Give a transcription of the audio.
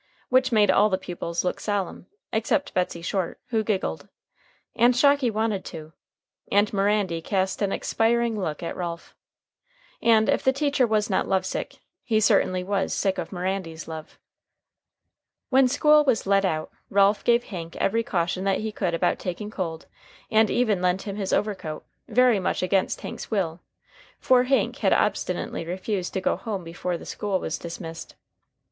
Which made all the pupils look solemn, except Betsey Short, who giggled. And Shocky wanted to. And Mirandy cast an expiring look at Ralph. And if the teacher was not love sick, he certainly was sick of Mirandy's love. [Illustration: HANK BANTA'S IMPROVED PLUNGE BATH] When school was "let out," Ralph gave Hank every caution that he could about taking cold, and even lent him his overcoat, very much against Hank's will. For Hank had obstinately refused to go home before the school was dismissed.